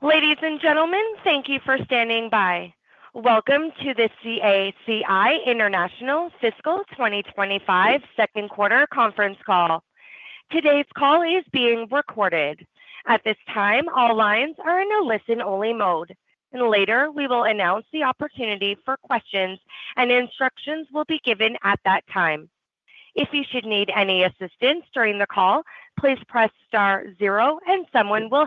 Ladies and gentlemen, thank you for standing by. Welcome to the CACI International Fiscal 2025 second quarter conference call. Today's call is being recorded. At this time, all lines are in a listen-only mode. Later, we will announce the opportunity for questions, and instructions will be given at that time. If you should need any assistance during the call, please press star zero, and someone will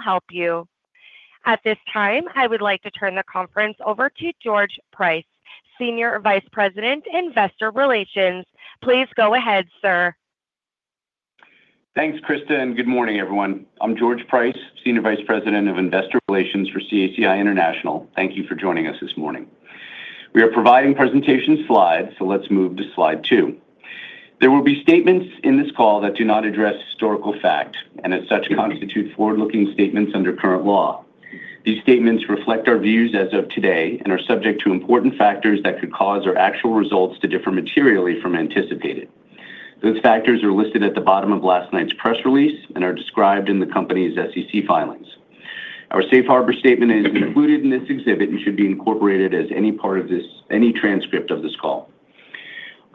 help you. At this time, I would like to turn the conference over to George Price, Senior Vice President, Investor Relations. Please go ahead, sir. Thanks, Krista. Good morning, everyone. I'm George Price, Senior Vice President of Investor Relations for CACI International. Thank you for joining us this morning. We are providing presentation slides, so let's move to slide two. There will be statements in this call that do not address historical fact, and as such, constitute forward-looking statements under current law. These statements reflect our views as of today and are subject to important factors that could cause our actual results to differ materially from anticipated. Those factors are listed at the bottom of last night's press release and are described in the company's SEC filings. Our safe harbor statement is included in this exhibit and should be incorporated as any part of this transcript of this call.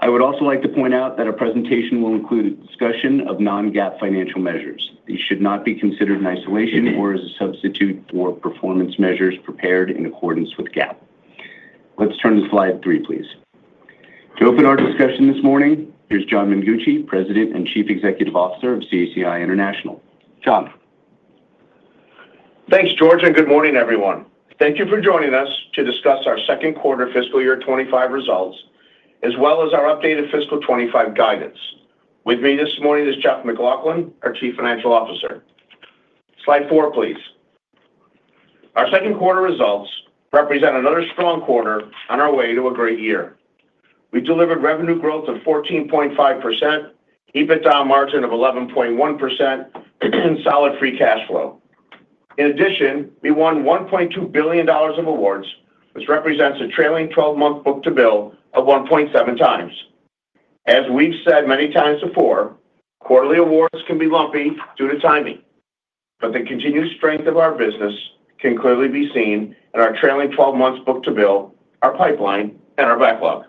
I would also like to point out that our presentation will include a discussion of non-GAAP financial measures. These should not be considered in isolation or as a substitute for performance measures prepared in accordance with GAAP. Let's turn to slide three, please. To open our discussion this morning, here's John Mengucci, President and Chief Executive Officer of CACI International. John. Thanks, George, and good morning, everyone. Thank you for joining us to discuss our second quarter fiscal year 2025 results, as well as our updated fiscal 2025 guidance. With me this morning is Jeff MacLauchlan, our Chief Financial Officer. Slide four, please. Our second quarter results represent another strong quarter on our way to a great year. We delivered revenue growth of 14.5%, EBITDA margin of 11.1%, and solid free cash flow. In addition, we won $1.2 billion of awards, which represents a trailing 12-month book to bill of 1.7 times. As we've said many times before, quarterly awards can be lumpy due to timing, but the continued strength of our business can clearly be seen in our trailing 12-month book to bill, our pipeline, and our backlog.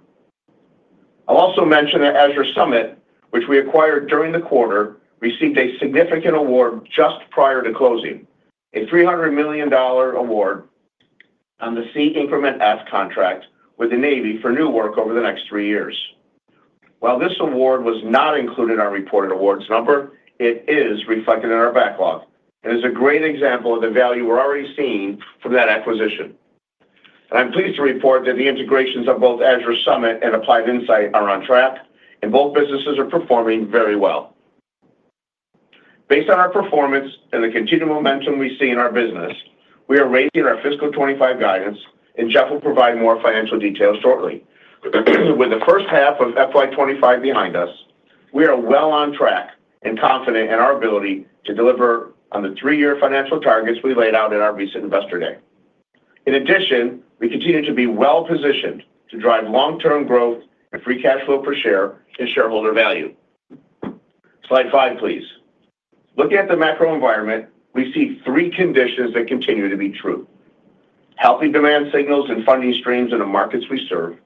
I'll also mention that Azure Summit, which we acquired during the quarter, received a significant award just prior to closing, a $300 million award on the SSEE Increment F contract with the Navy for new work over the next three years. While this award was not included in our reported awards number, it is reflected in our backlog and is a great example of the value we're already seeing from that acquisition. And I'm pleased to report that the integrations of both Azure Summit and Applied Insight are on track, and both businesses are performing very well. Based on our performance and the continued momentum we see in our business, we are raising our fiscal 2025 guidance, and Jeff will provide more financial details shortly. With the first half of FY 2025 behind us, we are well on track and confident in our ability to deliver on the three-year financial targets we laid out in our recent investor day. In addition, we continue to be well positioned to drive long-term growth and free cash flow per share and shareholder value. Slide five, please. Looking at the macro environment, we see three conditions that continue to be true: healthy demand signals and funding streams in the markets we serve,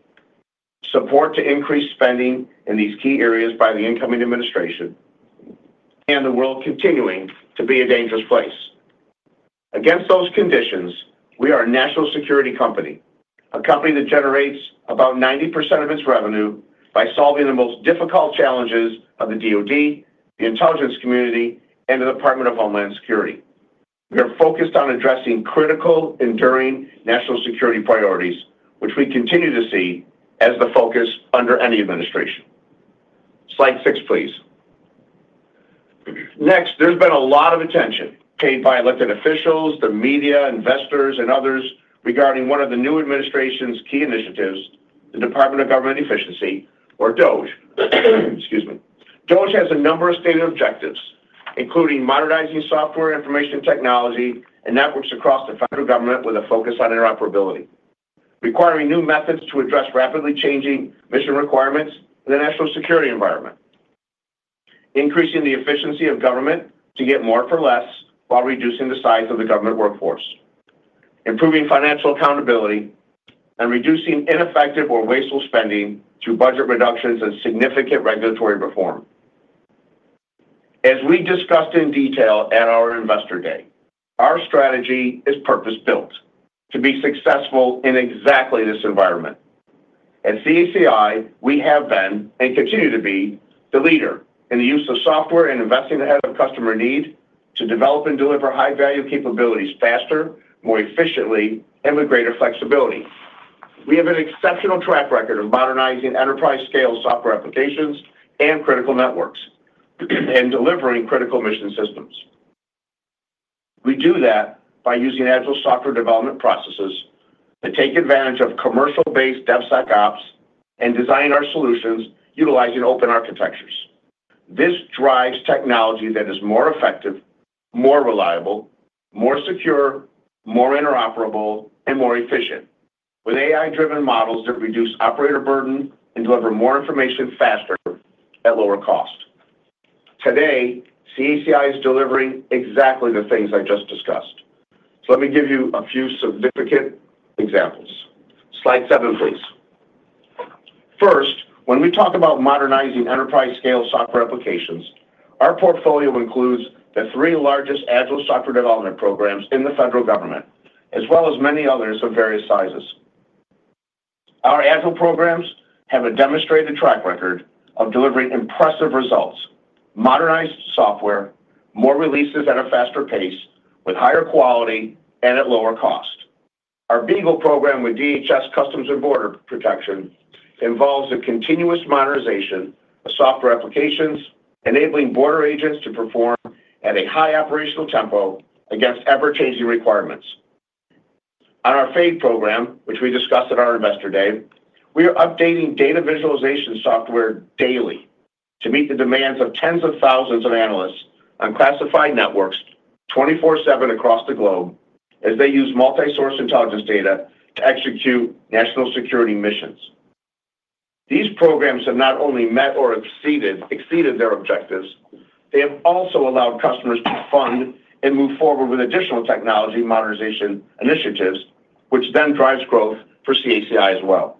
support to increase spending in these key areas by the incoming administration, and the world continuing to be a dangerous place. Against those conditions, we are a national security company, a company that generates about 90% of its revenue by solving the most difficult challenges of the DoD, the intelligence community, and the Department of Homeland Security. We are focused on addressing critical, enduring national security priorities, which we continue to see as the focus under any administration. Slide six, please. Next, there's been a lot of attention paid by elected officials, the media, investors, and others regarding one of the new administration's key initiatives, the Department of Government Efficiency, or DOGE. Excuse me. DOGE has a number of stated objectives, including modernizing software, information technology, and networks across the federal government with a focus on interoperability, requiring new methods to address rapidly changing mission requirements in the national security environment, increasing the efficiency of government to get more for less while reducing the size of the government workforce, improving financial accountability, and reducing ineffective or wasteful spending through budget reductions and significant regulatory reform. As we discussed in detail at our investor day, our strategy is purpose-built to be successful in exactly this environment. At CACI, we have been and continue to be the leader in the use of software and investing ahead of customer need to develop and deliver high-value capabilities faster, more efficiently, and with greater flexibility. We have an exceptional track record of modernizing enterprise-scale software applications and critical networks and delivering critical mission systems. We do that by using agile software development processes that take advantage of commercial-based DevSecOps and design our solutions utilizing open architectures. This drives technology that is more effective, more reliable, more secure, more interoperable, and more efficient, with AI-driven models that reduce operator burden and deliver more information faster at lower cost. Today, CACI is delivering exactly the things I just discussed. So let me give you a few significant examples. Slide seven, please. First, when we talk about modernizing enterprise-scale software applications, our portfolio includes the three largest agile software development programs in the federal government, as well as many others of various sizes. Our agile programs have a demonstrated track record of delivering impressive results, modernized software, more releases at a faster pace, with higher quality and at lower cost. Our BEAGLE program with DHS Customs and Border Protection involves a continuous modernization of software applications, enabling border agents to perform at a high operational tempo against ever-changing requirements. On our FADE program, which we discussed at our investor day, we are updating data visualization software daily to meet the demands of tens of thousands of analysts on classified networks 24/7 across the globe as they use multi-source intelligence data to execute national security missions. These programs have not only met or exceeded their objectives, they have also allowed customers to fund and move forward with additional technology modernization initiatives, which then drives growth for CACI as well,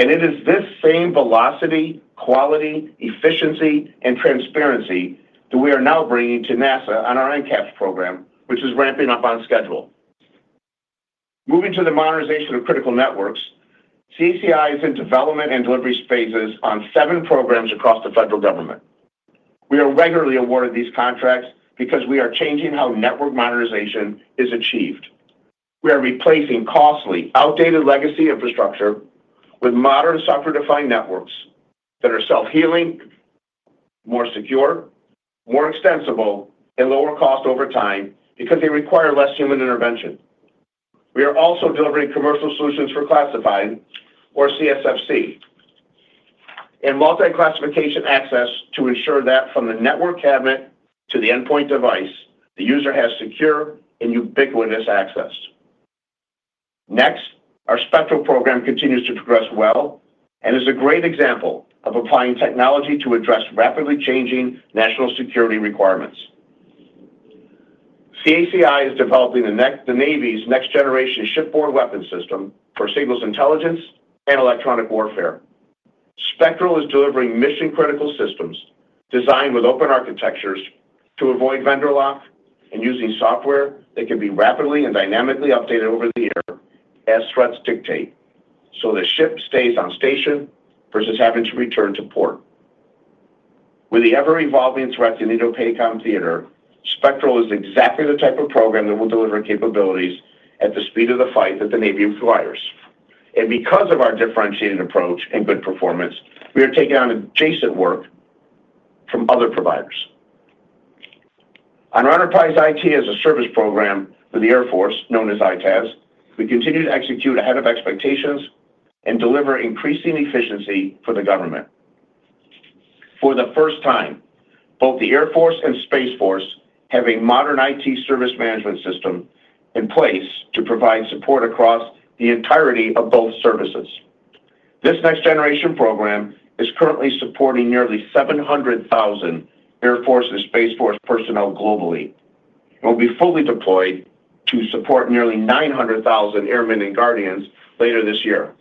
and it is this same velocity, quality, efficiency, and transparency that we are now bringing to NASA on our NCAPS program, which is ramping up on schedule. Moving to the modernization of critical networks, CACI is in development and delivery spaces on seven programs across the federal government. We are regularly awarded these contracts because we are changing how network modernization is achieved. We are replacing costly, outdated legacy infrastructure with modern software-defined networks that are self-healing, more secure, more extensible, and lower cost over time because they require less human intervention. We are also delivering commercial solutions for classified, or CSFC, and multi-classification access to ensure that from the network cabinet to the endpoint device, the user has secure and ubiquitous access. Next, our Spectral program continues to progress well and is a great example of applying technology to address rapidly changing national security requirements. CACI is developing the Navy's next-generation shipboard weapon system for SIGINT intelligence and electronic warfare. Spectral is delivering mission-critical systems designed with open architectures to avoid vendor lock and using software that can be rapidly and dynamically updated over the air as threats dictate so the ship stays on station versus having to return to port. With the ever-evolving threats in Indo-PACOM theater, Spectral is exactly the type of program that will deliver capabilities at the speed of the fight that the Navy requires. And because of our differentiated approach and good performance, we are taking on adjacent work from other providers. On our enterprise IT as a service program for the Air Force, known as EITaaS, we continue to execute ahead of expectations and deliver increasing efficiency for the government. For the first time, both the Air Force and Space Force have a modern IT service management system in place to provide support across the entirety of both services. This next-generation program is currently supporting nearly 700,000 Air Force and Space Force personnel globally and will be fully deployed to support nearly 900,000 airmen and guardians later this year.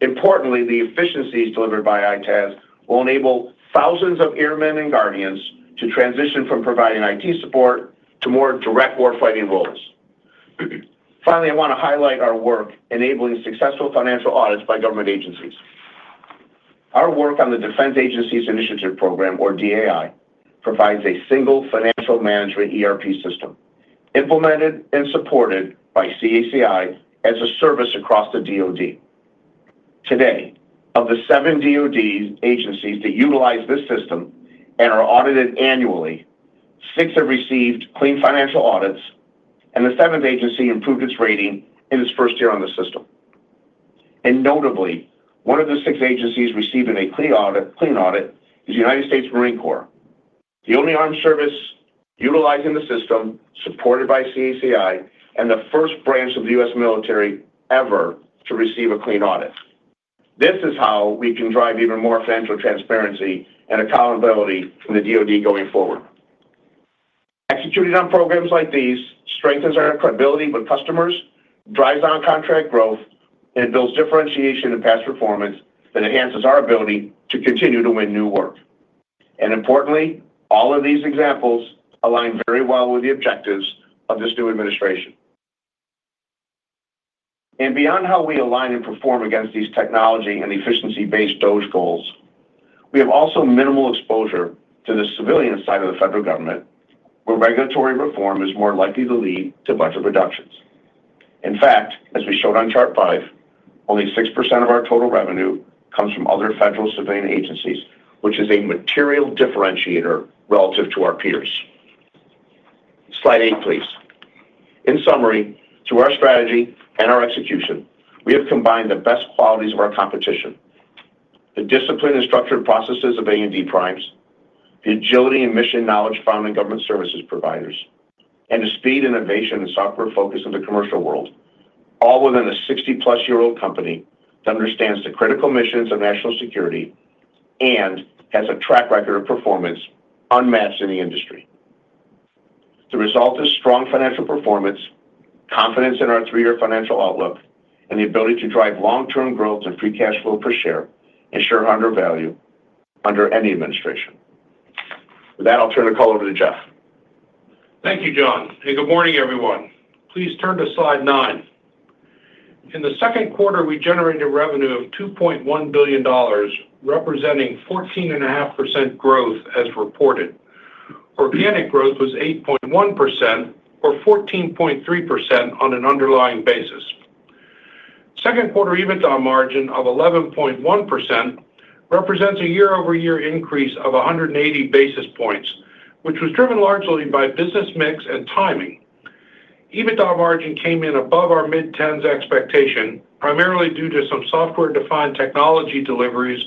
Importantly, the efficiencies delivered by EITaaS will enable thousands of airmen and guardians to transition from providing IT support to more direct warfighting roles. Finally, I want to highlight our work enabling successful financial audits by government agencies. Our work on the Defense Agencies Initiative Program, or DAI, provides a single financial management ERP system implemented and supported by CACI as a service across the DoD. Today, of the seven DoD agencies that utilize this system and are audited annually, six have received clean financial audits, and the seventh agency improved its rating in its first year on the system. And notably, one of the six agencies receiving a clean audit is the United States Marine Corps, the only armed service utilizing the system supported by CACI and the first branch of the U.S. military ever to receive a clean audit. This is how we can drive even more financial transparency and accountability from the DoD going forward. Executing on programs like these strengthens our credibility with customers, drives on contract growth, and builds differentiation and past performance that enhances our ability to continue to win new work. Importantly, all of these examples align very well with the objectives of this new administration. Beyond how we align and perform against these technology and efficiency-based DOGE goals, we have also minimal exposure to the civilian side of the federal government, where regulatory reform is more likely to lead to budget reductions. In fact, as we showed on chart five, only 6% of our total revenue comes from other federal civilian agencies, which is a material differentiator relative to our peers. Slide eight, please. In summary, through our strategy and our execution, we have combined the best qualities of our competition: the discipline and structured processes of A&D primes, the agility and mission knowledge found in government services providers, and the speed, innovation, and software focus in the commercial world, all within a 60-plus-year-old company that understands the critical missions of national security and has a track record of performance unmatched in the industry. The result is strong financial performance, confidence in our three-year financial outlook, and the ability to drive long-term growth and free cash flow per share and shareholder value under any administration. With that, I'll turn the call over to Jeff. Thank you, John. And good morning, everyone. Please turn to slide nine. In the second quarter, we generated revenue of $2.1 billion, representing 14.5% growth as reported. Organic growth was 8.1%, or 14.3% on an underlying basis. Second-quarter EBITDA margin of 11.1% represents a year-over-year increase of 180 basis points, which was driven largely by business mix and timing. EBITDA margin came in above our mid-10s expectation, primarily due to some software-defined technology deliveries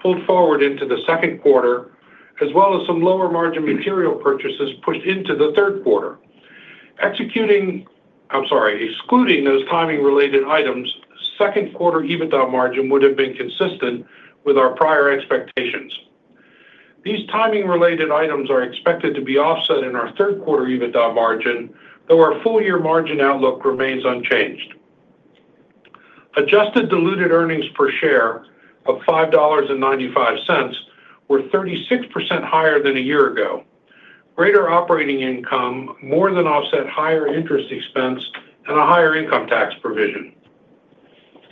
pulled forward into the second quarter, as well as some lower-margin material purchases pushed into the third quarter. Excluding those timing-related items, second-quarter EBITDA margin would have been consistent with our prior expectations. These timing-related items are expected to be offset in our third-quarter EBITDA margin, though our full-year margin outlook remains unchanged. Adjusted diluted earnings per share of $5.95 were 36% higher than a year ago. Greater operating income more than offset higher interest expense and a higher income tax provision.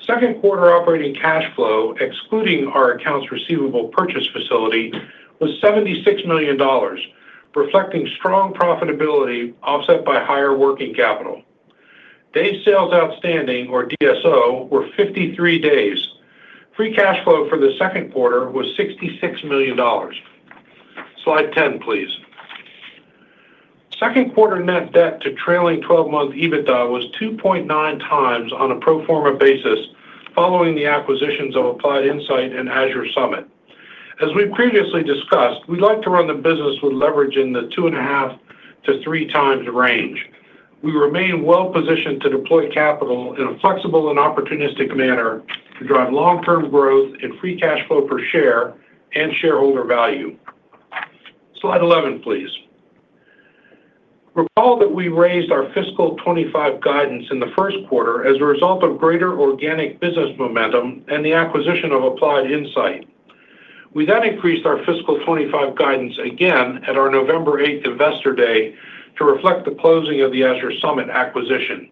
Second-quarter operating cash flow, excluding our accounts receivable purchase facility, was $76 million, reflecting strong profitability offset by higher working capital. Day sales outstanding, or DSO, were 53 days. Free cash flow for the second quarter was $66 million. Slide 10, please. Second-quarter net debt to trailing 12-month EBITDA was 2.9 times on a pro forma basis following the acquisitions of Applied Insight and Azure Summit. As we previously discussed, we'd like to run the business with leverage in the two and a half to three times range. We remain well-positioned to deploy capital in a flexible and opportunistic manner to drive long-term growth and free cash flow per share and shareholder value. Slide 11, please. Recall that we raised our fiscal 2025 guidance in the first quarter as a result of greater organic business momentum and the acquisition of Applied Insight. We then increased our fiscal 2025 guidance again at our November 8th investor day to reflect the closing of the Azure Summit acquisition.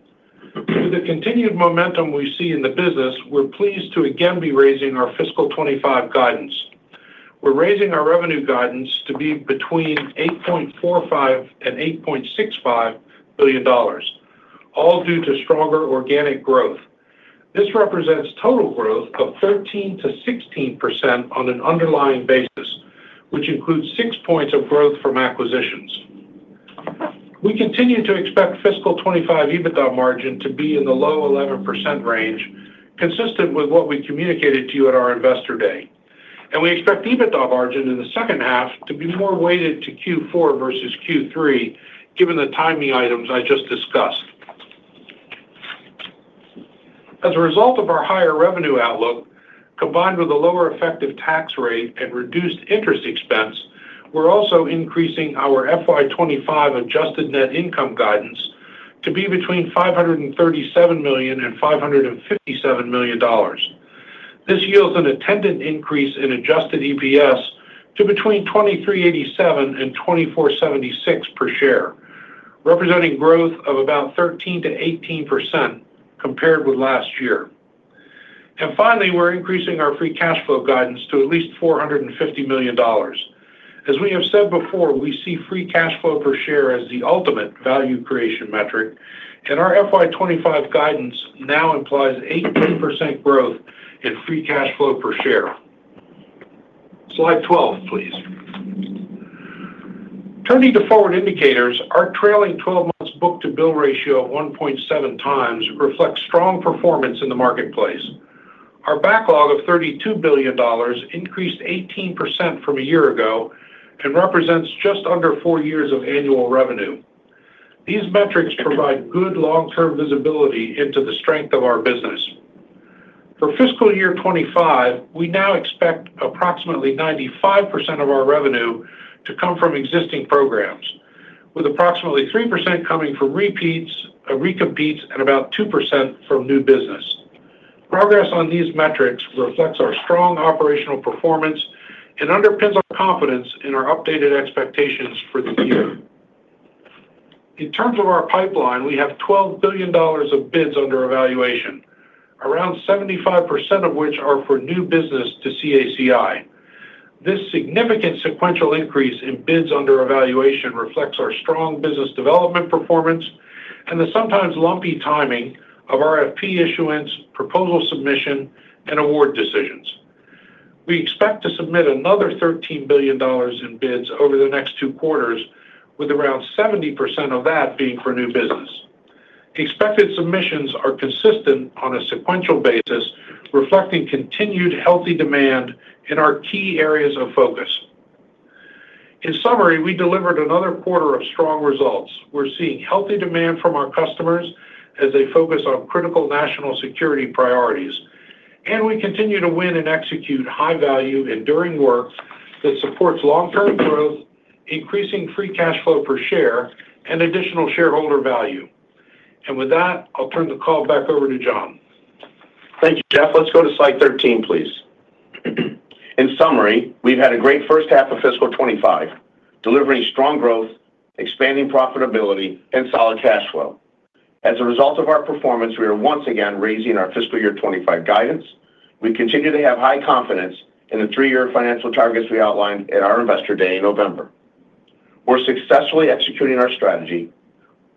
With the continued momentum we see in the business, we're pleased to again be raising our fiscal 2025 guidance. We're raising our revenue guidance to be between $8.45 billion and $8.65 billion, all due to stronger organic growth. This represents total growth of 13% to 16% on an underlying basis, which includes six points of growth from acquisitions. We continue to expect fiscal 2025 EBITDA margin to be in the low 11% range, consistent with what we communicated to you at our investor day. And we expect EBITDA margin in the second half to be more weighted to Q4 versus Q3, given the timing items I just discussed. As a result of our higher revenue outlook, combined with a lower effective tax rate and reduced interest expense, we're also increasing our FY 2025 adjusted net income guidance to be between $537 million and $557 million. This yields an attendant increase in adjusted EPS to between $2,387 and $2,476 per share, representing growth of about 13% to 18% compared with last year. And finally, we're increasing our free cash flow guidance to at least $450 million. As we have said before, we see free cash flow per share as the ultimate value creation metric, and our FY25 guidance now implies 18% growth in free cash flow per share. Slide 12, please. Turning to forward indicators, our trailing 12-month book-to-bill ratio of 1.7 times reflects strong performance in the marketplace. Our backlog of $32 billion increased 18% from a year ago and represents just under four years of annual revenue. These metrics provide good long-term visibility into the strength of our business. For fiscal year 25, we now expect approximately 95% of our revenue to come from existing programs, with approximately 3% coming from repeats and about 2% from new business. Progress on these metrics reflects our strong operational performance and underpins our confidence in our updated expectations for the year. In terms of our pipeline, we have $12 billion of bids under evaluation, around 75% of which are for new business to CACI. This significant sequential increase in bids under evaluation reflects our strong business development performance and the sometimes lumpy timing of RFP issuance, proposal submission, and award decisions. We expect to submit another $13 billion in bids over the next two quarters, with around 70% of that being for new business. Expected submissions are consistent on a sequential basis, reflecting continued healthy demand in our key areas of focus. In summary, we delivered another quarter of strong results. We're seeing healthy demand from our customers as they focus on critical national security priorities, and we continue to win and execute high-value, enduring work that supports long-term growth, increasing free cash flow per share, and additional shareholder value. And with that, I'll turn the call back over to John. Thank you, Jeff. Let's go to slide 13, please. In summary, we've had a great first half of fiscal 25, delivering strong growth, expanding profitability, and solid cash flow. As a result of our performance, we are once again raising our fiscal year 25 guidance. We continue to have high confidence in the three-year financial targets we outlined at our investor day in November. We're successfully executing our strategy,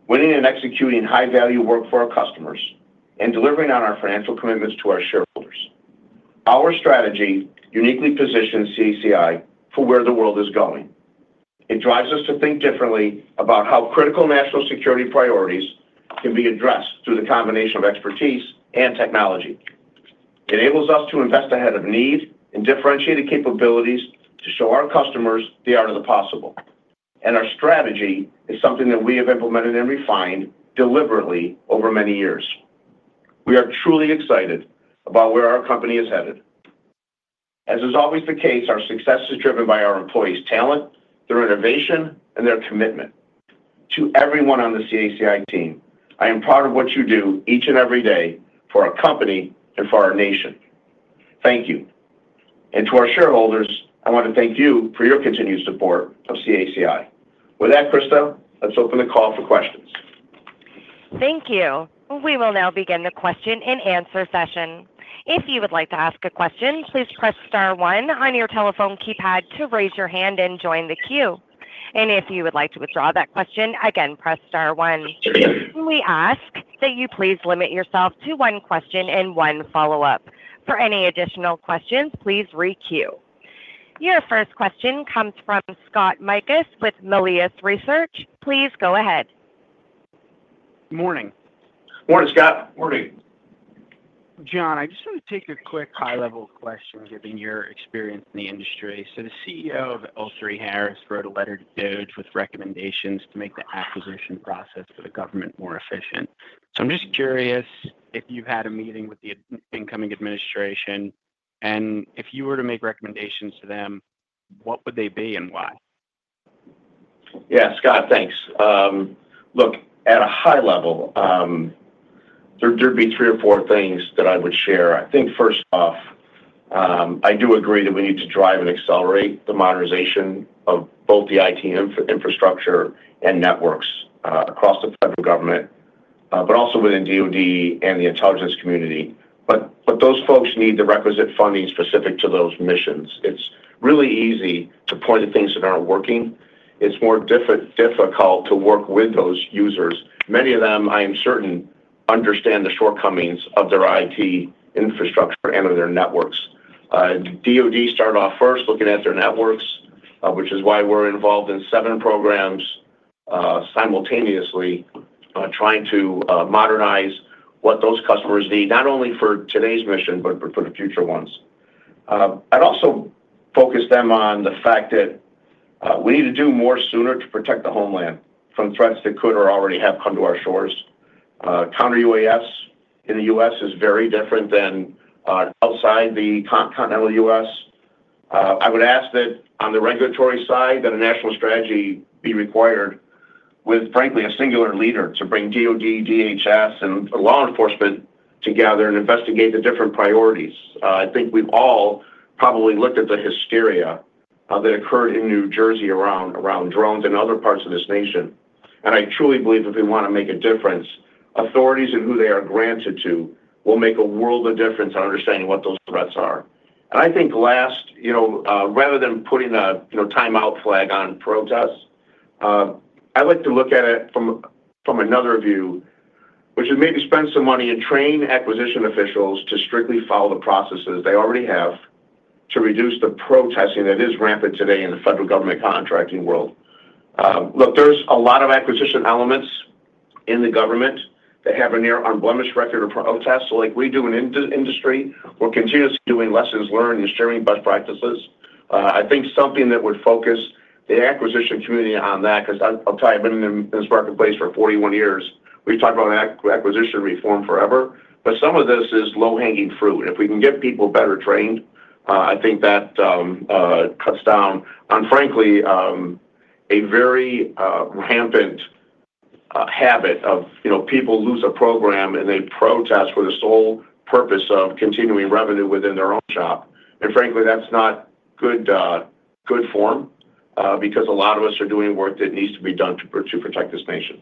winning and executing high-value work for our customers, and delivering on our financial commitments to our shareholders. Our strategy uniquely positions CACI for where the world is going. It drives us to think differently about how critical national security priorities can be addressed through the combination of expertise and technology. It enables us to invest ahead of need and differentiate capabilities to show our customers the art of the possible. And our strategy is something that we have implemented and refined deliberately over many years. We are truly excited about where our company is headed. As is always the case, our success is driven by our employees' talent, their innovation, and their commitment. To everyone on the CACI team, I am proud of what you do each and every day for our company and for our nation. Thank you. And to our shareholders, I want to thank you for your continued support of CACI. With that, Krista, let's open the call for questions. Thank you. We will now begin the question and answer session. If you would like to ask a question, please press star one on your telephone keypad to raise your hand and join the queue. And if you would like to withdraw that question, again, press star one. We ask that you please limit yourself to one question and one follow-up. For any additional questions, please re-queue. Your first question comes from Scott Mikus with Melius Research. Please go ahead. Morning. Morning, Scott. Morning. John, I just want to take a quick high-level question, given your experience in the industry. So the CEO of L3Harris wrote a letter to DOGE with recommendations to make the acquisition process for the government more efficient. So I'm just curious if you've had a meeting with the incoming administration, and if you were to make recommendations to them, what would they be and why? Yeah, Scott, thanks. Look, at a high level, there'd be three or four things that I would share. I think, first off, I do agree that we need to drive and accelerate the modernization of both the IT infrastructure and networks across the federal government, but also within DoD and the intelligence community. But those folks need the requisite funding specific to those missions. It's really easy to point to things that aren't working. It's more difficult to work with those users. Many of them, I am certain, understand the shortcomings of their IT infrastructure and of their networks. DoD started off first looking at their networks, which is why we're involved in seven programs simultaneously, trying to modernize what those customers need, not only for today's mission, but for the future ones. I'd also focus them on the fact that we need to do more sooner to protect the homeland from threats that could or already have come to our shores. Counter-UAS in the U.S. is very different than outside the continental U.S. I would ask that on the regulatory side, that a national strategy be required with, frankly, a singular leader to bring DoD, DHS, and law enforcement together and investigate the different priorities. I think we've all probably looked at the hysteria that occurred in New Jersey around drones and other parts of this nation. And I truly believe if we want to make a difference, authorities and who they are granted to will make a world of difference in understanding what those threats are. I think last, rather than putting a timeout flag on protests, I'd like to look at it from another view, which is maybe spend some money and train acquisition officials to strictly follow the processes they already have to reduce the protesting that is rampant today in the federal government contracting world. Look, there's a lot of acquisition elements in the government that have a near unblemished record of protests. So like we do in industry, we're continuously doing lessons learned and sharing best practices. I think something that would focus the acquisition community on that, because I'll tell you, I've been in this marketplace for 41 years. We've talked about acquisition reform forever, but some of this is low-hanging fruit. If we can get people better trained, I think that cuts down on, frankly, a very rampant habit of people lose a program and they protest for the sole purpose of continuing revenue within their own shop. And frankly, that's not good form because a lot of us are doing work that needs to be done to protect this nation.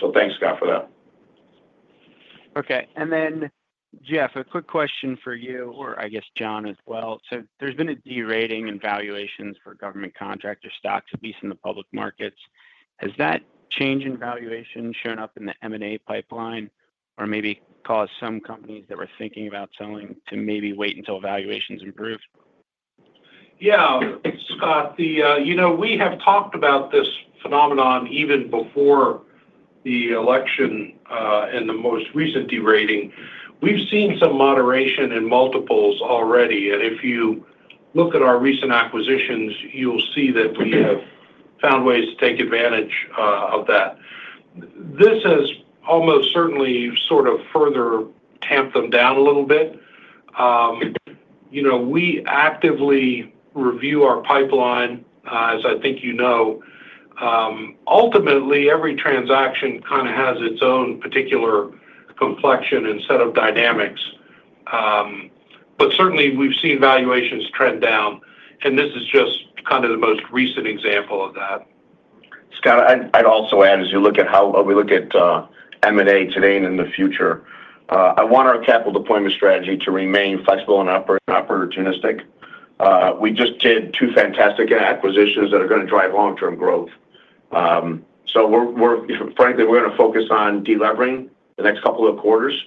So thanks, Scott, for that. Okay. And then, Jeff, a quick question for you, or I guess John as well. So there's been a de-rating in valuations for government contractor stocks at least in the public markets. Has that change in valuation shown up in the M&A pipeline or maybe caused some companies that were thinking about selling to maybe wait until valuations improve? Yeah, Scott, we have talked about this phenomenon even before the election and the most recent de-rating. We've seen some moderation in multiples already. If you look at our recent acquisitions, you'll see that we have found ways to take advantage of that. This has almost certainly sort of further tamped them down a little bit. We actively review our pipeline, as I think you know. Ultimately, every transaction kind of has its own particular complexion and set of dynamics. Certainly, we've seen valuations trend down, and this is just kind of the most recent example of that. Scott, I'd also add, as you look at how we look at M&A today and in the future, I want our capital deployment strategy to remain flexible and opportunistic. We just did two fantastic acquisitions that are going to drive long-term growth. So frankly, we're going to focus on delevering the next couple of quarters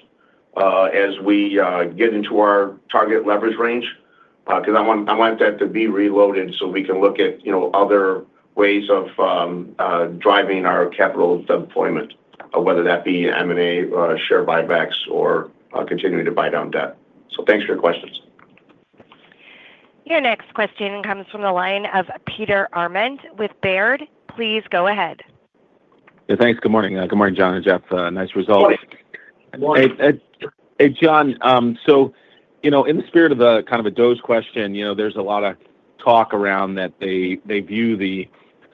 as we get into our target leverage range, because I want that to be reloaded so we can look at other ways of driving our capital deployment, whether that be M&A, share buybacks, or continuing to buy down debt. So thanks for your questions. Your next question comes from the line of Peter Arment with Baird. Please go ahead. Thanks. Good morning. Good morning, John and Jeff. Nice results. Hey, John. So in the spirit of the kind of a DOGE question, there's a lot of talk around that they view the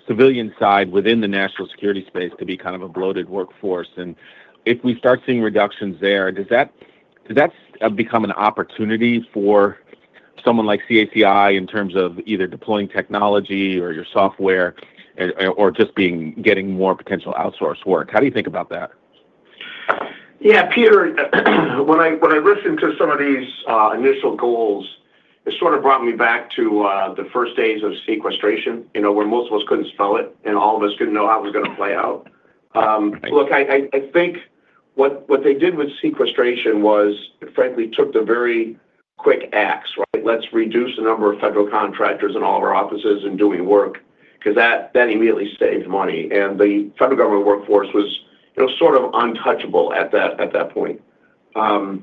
civilian side within the national security space to be kind of a bloated workforce. If we start seeing reductions there, does that become an opportunity for someone like CACI in terms of either deploying technology or your software or just getting more potential outsource work? How do you think about that? Yeah, Peter, when I listened to some of these initial goals, it sort of brought me back to the first days of sequestration where most of us couldn't sell it, and all of us didn't know how it was going to play out. Look, I think what they did with sequestration was, frankly, took the very quick acts, right? Let's reduce the number of federal contractors in all of our offices and doing work, because that immediately saved money. The federal government workforce was sort of untouchable at that point. I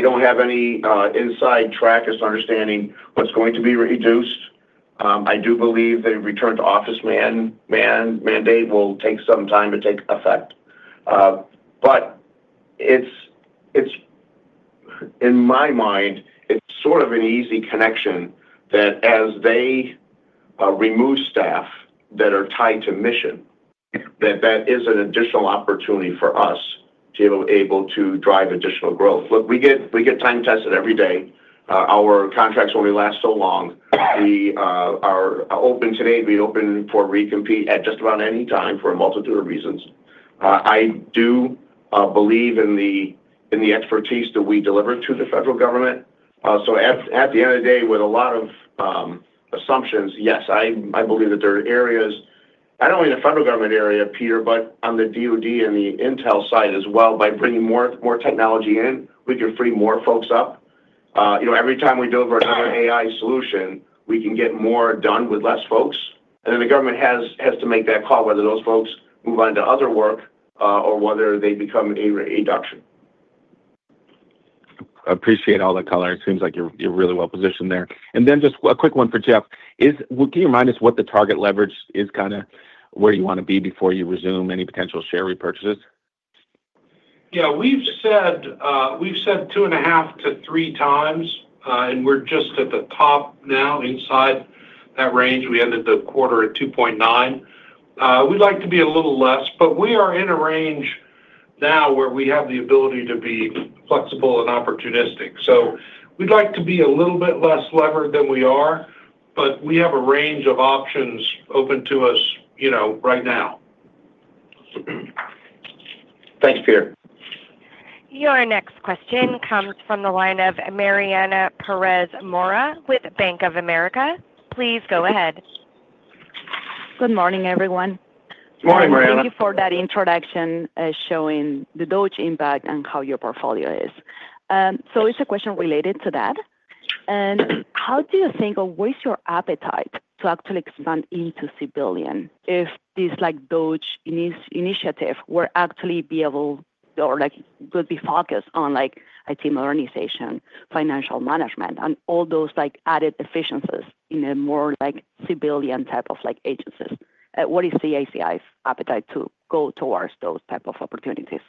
don't have any inside track as to understanding what's going to be reduced. I do believe the return-to-office mandate will take some time to take effect. But in my mind, it's sort of an easy connection that as they remove staff that are tied to mission, that that is an additional opportunity for us to be able to drive additional growth. Look, we get time tested every day. Our contracts only last so long. We are open today. We open for re-compete at just about any time for a multitude of reasons. I do believe in the expertise that we deliver to the federal government. So at the end of the day, with a lot of assumptions, yes, I believe that there are areas, not only in the federal government area, Peter, but on the DoD and the intel side as well. By bringing more technology in, we can free more folks up. Every time we deliver another AI solution, we can get more done with less folks. And then the government has to make that call whether those folks move on to other work or whether they become a reduction. I appreciate all the color. It seems like you're really well positioned there. And then just a quick one for Jeff. Can you remind us what the target leverage is, kind of where you want to be before you resume any potential share repurchases? Yeah, we've said two and a half to three times, and we're just at the top now inside that range. We ended the quarter at 2.9. We'd like to be a little less, but we are in a range now where we have the ability to be flexible and opportunistic. We'd like to be a little bit less levered than we are, but we have a range of options open to us right now. Thanks, Peter. Your next question comes from the line of Mariana Perez Mora with Bank of America. Please go ahead. Good morning, everyone. Good morning, Mariana. Thank you for that introduction showing the DOGE impact on how your portfolio is. So it's a question related to that. And how do you think or what is your appetite to actually expand into civilian if these DOGE initiatives would actually be able or could be focused on IT modernization, financial management, and all those added efficiencies in a more civilian type of agencies? What is CACI's appetite to go towards those types of opportunities?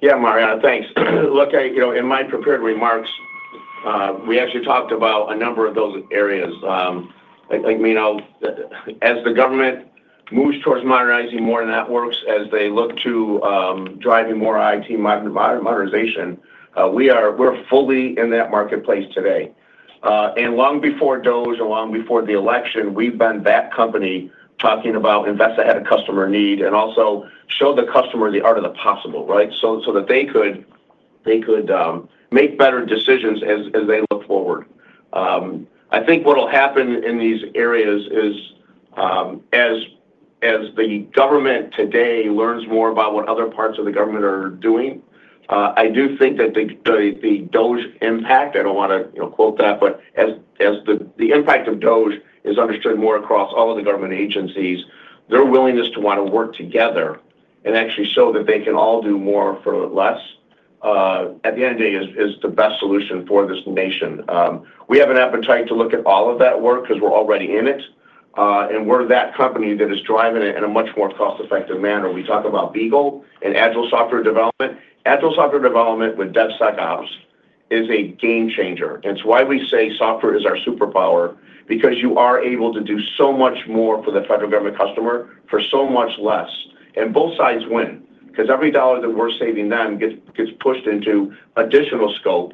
Yeah, Mariana, thanks. Look, in my prepared remarks, we actually talked about a number of those areas. As the government moves towards modernizing more networks, as they look to drive more IT modernization, we're fully in that marketplace today. And long before DOGE and long before the election, we've been that company talking about invest ahead of customer need and also show the customer the art of the possible, right? So that they could make better decisions as they look forward. I think what will happen in these areas is as the government today learns more about what other parts of the government are doing, I do think that the DOGE impact, I don't want to quote that, but as the impact of DOGE is understood more across all of the government agencies, their willingness to want to work together and actually show that they can all do more for less at the end of the day is the best solution for this nation. We have an appetite to look at all of that work because we're already in it, and we're that company that is driving it in a much more cost-effective manner. We talk about BEAGLE and agile software development. Agile software development with DevSecOps is a game changer, and it's why we say software is our superpower, because you are able to do so much more for the federal government customer for so much less, and both sides win, because every dollar that we're saving them gets pushed into additional scope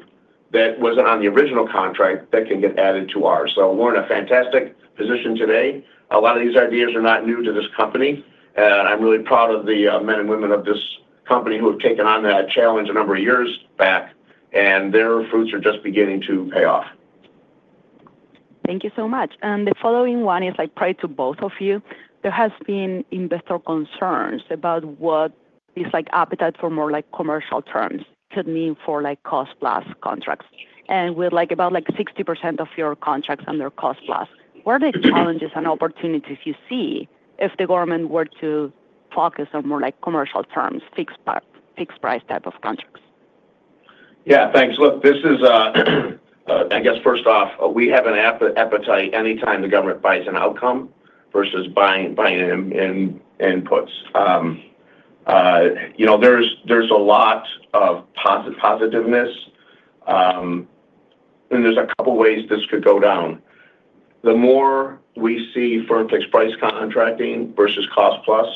that wasn't on the original contract that can get added to ours, so we're in a fantastic position today. A lot of these ideas are not new to this company. I'm really proud of the men and women of this company who have taken on that challenge a number of years back, and their fruits are just beginning to pay off. Thank you so much. And the following one is pride to both of you. There has been investor concerns about what this appetite for more commercial terms could mean for cost-plus contracts. And with about 60% of your contracts under cost-plus, what are the challenges and opportunities you see if the government were to focus on more commercial terms, fixed-price type of contracts? Yeah, thanks. Look, this is, I guess, first off, we have an appetite anytime the government buys an outcome versus buying inputs. There's a lot of positiveness, and there's a couple of ways this could go down. The more we see firm-fixed price contracting versus cost-plus,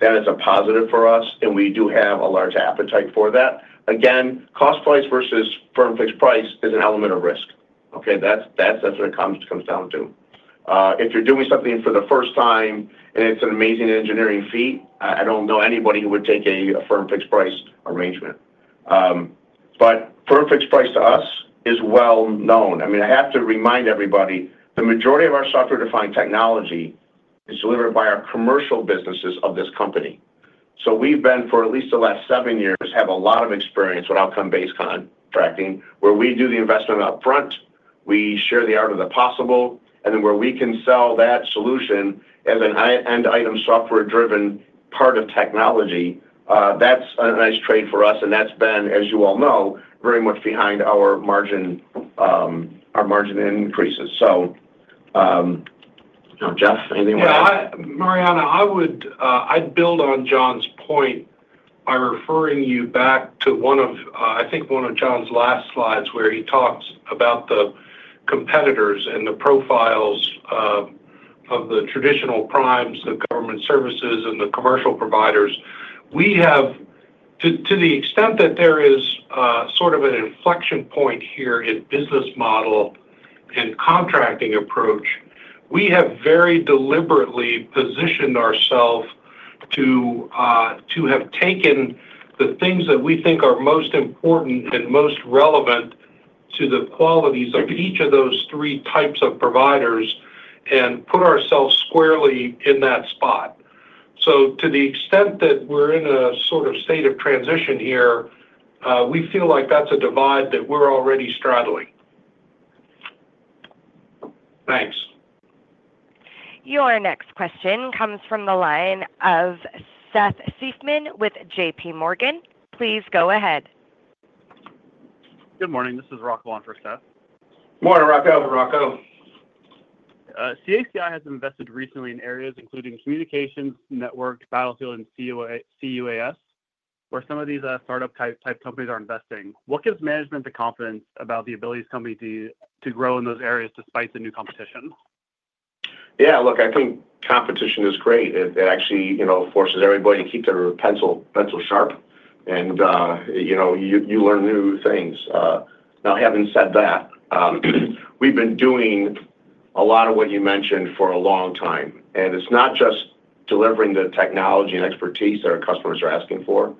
that is a positive for us, and we do have a large appetite for that. Again, cost-plus versus firm-fixed price is an element of risk. Okay? That's what it comes down to. If you're doing something for the first time and it's an amazing engineering feat, I don't know anybody who would take a firm-fixed price arrangement. But firm-fixed price to us is well known. I mean, I have to remind everybody, the majority of our software-defined technology is delivered by our commercial businesses of this company. So we've been, for at least the last seven years, have a lot of experience with outcome-based contracting, where we do the investment upfront, we share the art of the possible, and then where we can sell that solution as an end-item software-driven part of technology. That's a nice trade for us, and that's been, as you all know, very much behind our margin increases. So Jeff, anything more? Yeah, Mariana, I'd build on John's point by referring you back to, I think, one of John's last slides where he talks about the competitors and the profiles of the traditional primes, the government services, and the commercial providers. To the extent that there is sort of an inflection point here in business model and contracting approach, we have very deliberately positioned ourselves to have taken the things that we think are most important and most relevant to the qualities of each of those three types of providers and put ourselves squarely in that spot. So to the extent that we're in a sort of state of transition here, we feel like that's a divide that we're already straddling. Thanks. Your next question comes from the line of Seth Seifman with J.P. Morgan. Please go ahead. Good morning. This is Rocco on for Seth. Morning, Rocco. Over to Rocco. CACI has invested recently in areas including communications, network, battlefield, and CUAS, where some of these startup-type companies are investing. What gives management the confidence about the ability of this company to grow in those areas despite the new competition? Yeah, look, I think competition is great. It actually forces everybody to keep their pencil sharp, and you learn new things. Now, having said that, we've been doing a lot of what you mentioned for a long time. And it's not just delivering the technology and expertise that our customers are asking for.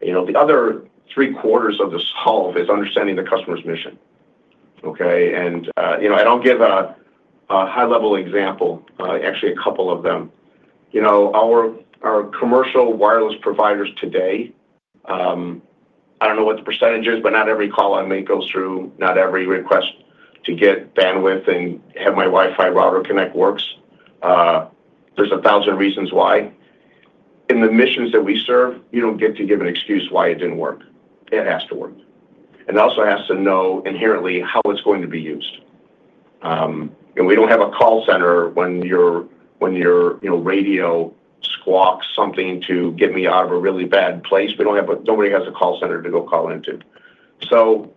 The other three quarters of this whole is understanding the customer's mission. Okay? And I'll give a high-level example, actually a couple of them. Our commercial wireless providers today, I don't know what the percentage is, but not every call I make goes through, not every request to get bandwidth and have my Wi-Fi router connect works. There's a thousand reasons why. In the missions that we serve, you don't get to give an excuse why it didn't work. It has to work, and it also has to know inherently how it's going to be used, and we don't have a call center when your radio squawks something to get me out of a really bad place. Nobody has a call center to go call into, so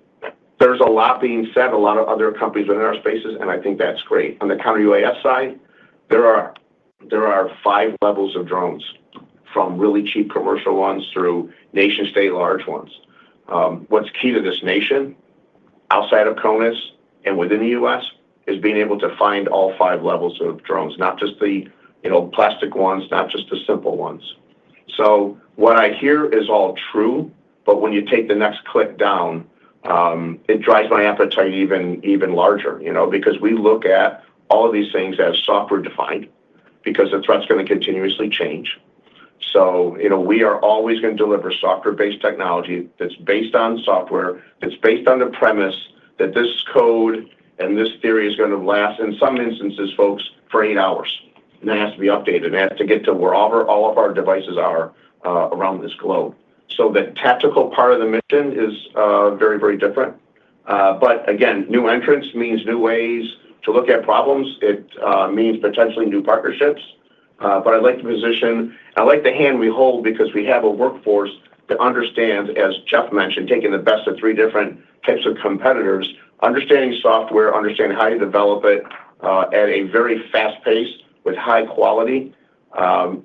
there's a lot being said, a lot of other companies within our spaces, and I think that's great. On the Counter-UAS side, there are five levels of drones, from really cheap commercial ones through nation-state large ones. What's key to this nation, outside of CONUS and within the US, is being able to find all five levels of drones, not just the plastic ones, not just the simple ones. So what I hear is all true, but when you take the next click down, it drives my appetite even larger because we look at all of these things as software-defined because the threats are going to continuously change. So we are always going to deliver software-based technology that's based on software, that's based on the premise that this code and this theory is going to last, in some instances, folks, for eight hours. And it has to be updated. It has to get to where all of our devices are around this globe. So the tactical part of the mission is very, very different. But again, new entrants means new ways to look at problems. It means potentially new partnerships. But I'd like to position, I like the hand we hold because we have a workforce that understands, as Jeff mentioned, taking the best of three different types of competitors, understanding software, understanding how you develop it at a very fast pace with high quality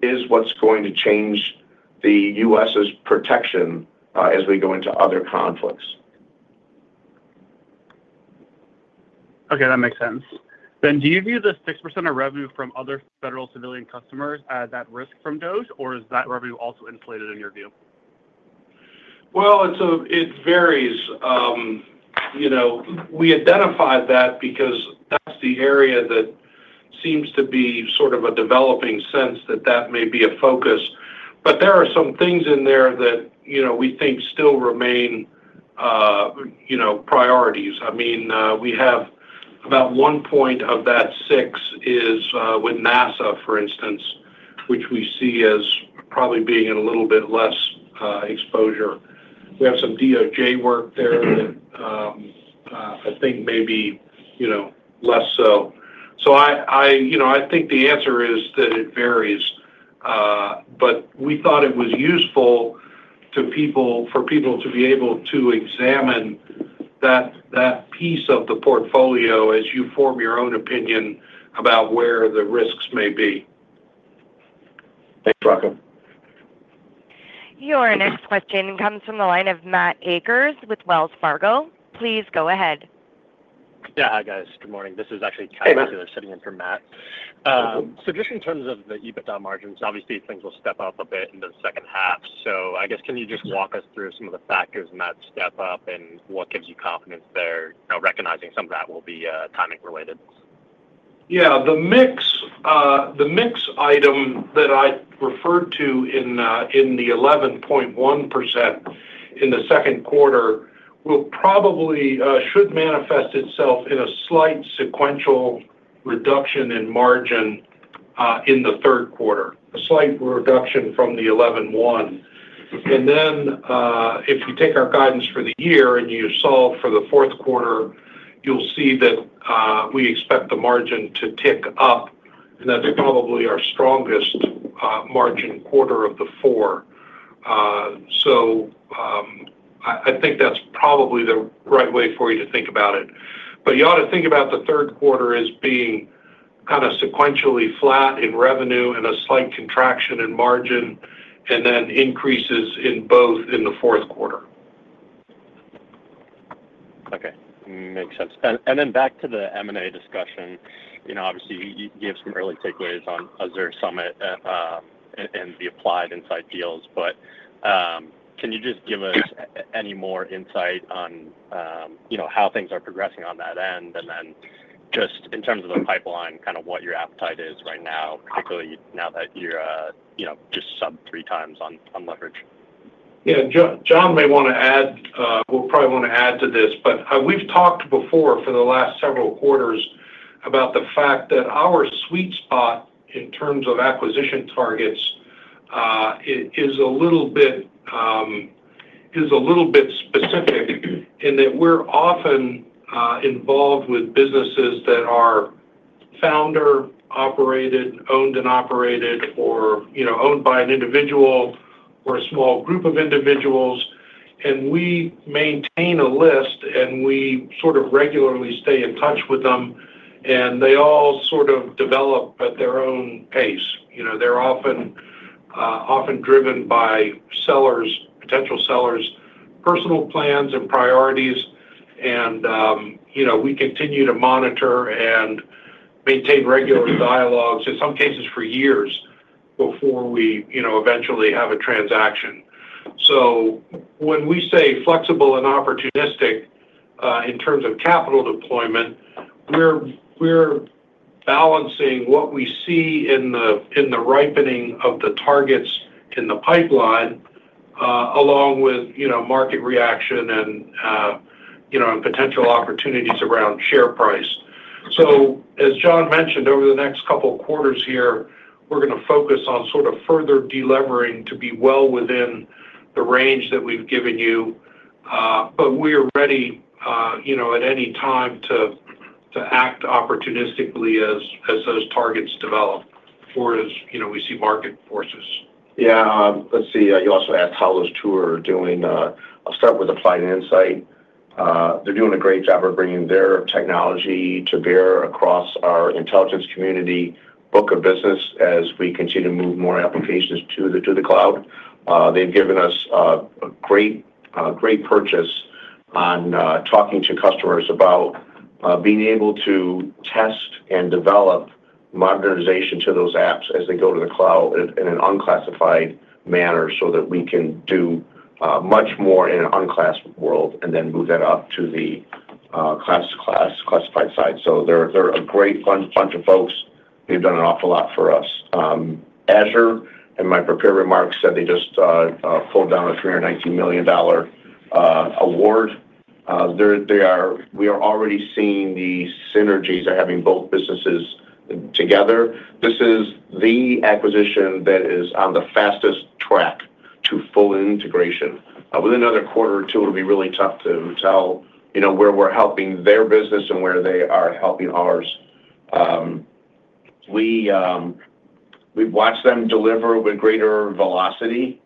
is what's going to change the U.S.'s protection as we go into other conflicts. Okay, that makes sense, then do you view the 6% of revenue from other federal civilian customers as at risk from DOGE, or is that revenue also inflated in your view? Well, it varies. We identify that because that's the area that seems to be sort of a developing sense that that may be a focus. But there are some things in there that we think still remain priorities. I mean, we have about one point of that six is with NASA, for instance, which we see as probably being in a little bit less exposure. We have some DOJ work there that I think may be less so. So I think the answer is that it varies. But we thought it was useful for people to be able to examine that piece of the portfolio as you form your own opinion about where the risks may be. Thanks, Rocco. Your next question comes from the line of Matt Akers with Wells Fargo. Please go ahead. Yeah, hi guys. Good morning. This is actually Kevin here sitting in for Matt. So just in terms of the EBITDA margins, obviously things will step up a bit into the second half. So I guess, can you just walk us through some of the factors in that step up and what gives you confidence there, recognizing some of that will be timing-related? Yeah, the mix item that I referred to in the 11.1% in the second quarter should manifest itself in a slight sequential reduction in margin in the third quarter, a slight reduction from the 11.1%. And then if you take our guidance for the year and you solve for the fourth quarter, you'll see that we expect the margin to tick up, and that's probably our strongest margin quarter of the four. So I think that's probably the right way for you to think about it. But you ought to think about the third quarter as being kind of sequentially flat in revenue and a slight contraction in margin, and then increases in both in the fourth quarter. Okay. Makes sense. And then back to the M&A discussion, obviously you gave some early takeaways on Azure Summit and the Applied Insight deals. But can you just give us any more insight on how things are progressing on that end? And then just in terms of the pipeline, kind of what your appetite is right now, particularly now that you're just sub three times on leverage? Yeah, John may want to add, will probably want to add to this. But we've talked before for the last several quarters about the fact that our sweet spot in terms of acquisition targets is a little bit specific in that we're often involved with businesses that are founder-owned and operated or owned by an individual or a small group of individuals. And we maintain a list, and we sort of regularly stay in touch with them. They all sort of develop at their own pace. They're often driven by potential sellers' personal plans and priorities. We continue to monitor and maintain regular dialogues, in some cases for years, before we eventually have a transaction. When we say flexible and opportunistic in terms of capital deployment, we're balancing what we see in the ripening of the targets in the pipeline along with market reaction and potential opportunities around share price. As John mentioned, over the next couple of quarters here, we're going to focus on sort of further delivering to be well within the range that we've given you. We are ready at any time to act opportunistically as those targets develop or as we see market forces. Yeah. Let's see. You also asked how those two are doing. I'll start with Applied Insight. They're doing a great job of bringing their technology to bear across our intelligence community, book of business, as we continue to move more applications to the cloud. They've given us a great purchase on talking to customers about being able to test and develop modernization to those apps as they go to the cloud in an unclassified manner so that we can do much more in an unclassified world and then move that up to the classified side. So they're a great bunch of folks. They've done an awful lot for us. Azure, in my prepared remarks, said they just pulled down a $319 million award. We are already seeing the synergies of having both businesses together. This is the acquisition that is on the fastest track to full integration. Within another quarter or two, it'll be really tough to tell where we're helping their business and where they are helping ours. We've watched them deliver with greater velocity.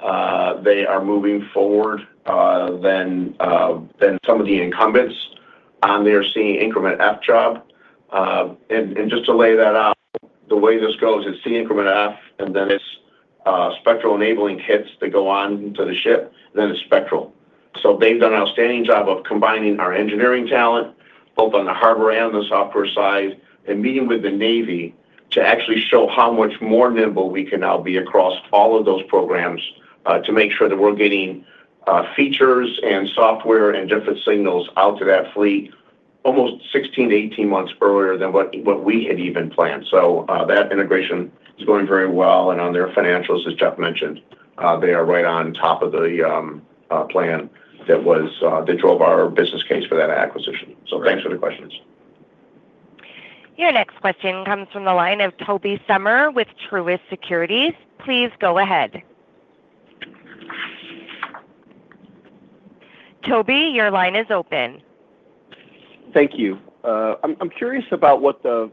They are moving forward than some of the incumbents. They are seeing Increment F job. And just to lay that out, the way this goes is C Increment F, and then it's Spectral enabling kits that go on to the ship, and then it's Spectral. So they've done an outstanding job of combining our engineering talent, both on the hardware and the software side, and meeting with the Navy to actually show how much more nimble we can now be across all of those programs to make sure that we're getting features and software and different signals out to that fleet almost 16-18 months earlier than what we had even planned. So that integration is going very well. And on their financials, as Jeff mentioned, they are right on top of the plan that drove our business case for that acquisition. So thanks for the questions. Your next question comes from the line of Tobey Sommer with Truist Securities. Please go ahead. Tobey, your line is open. Thank you. I'm curious about what the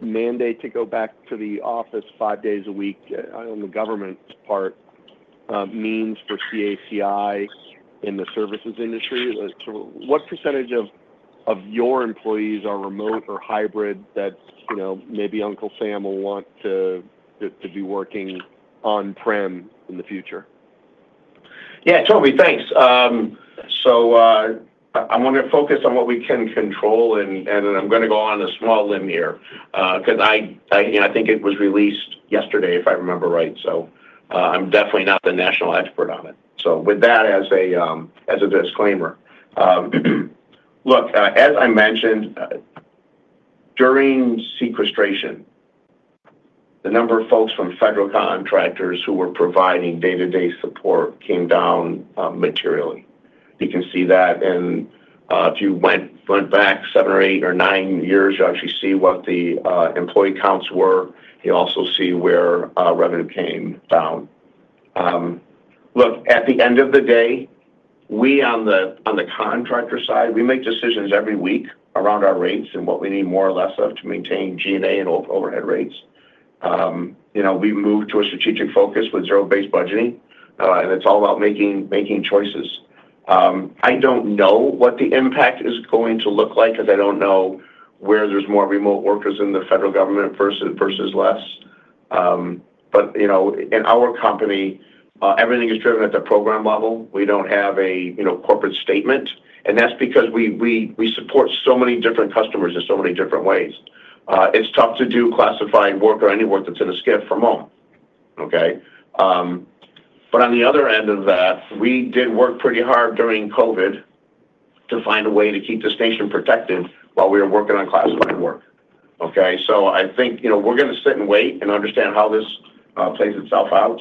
mandate to go back to the office five days a week on the government part means for CACI in the services industry. What percentage of your employees are remote or hybrid that maybe Uncle Sam will want to be working on-prem in the future? Yeah, Tobey, thanks. So I'm going to focus on what we can control, and I'm going to go on a small limb here because I think it was released yesterday, if I remember right. So I'm definitely not the national expert on it. So with that as a disclaimer, look, as I mentioned, during sequestration, the number of folks from federal contractors who were providing day-to-day support came down materially. You can see that. And if you went back seven or eight or nine years, you actually see what the employee counts were. You also see where revenue came down. Look, at the end of the day, we on the contractor side, we make decisions every week around our rates and what we need more or less of to maintain G&A and overhead rates. We moved to a strategic focus with zero-based budgeting, and it's all about making choices. I don't know what the impact is going to look like because I don't know where there's more remote workers in the federal government versus less. But in our company, everything is driven at the program level. We don't have a corporate statement. And that's because we support so many different customers in so many different ways. It's tough to do classified work or any work that's in a skiff from home. Okay? But on the other end of that, we did work pretty hard during COVID to find a way to keep this nation protected while we were working on classified work. Okay? So I think we're going to sit and wait and understand how this plays itself out.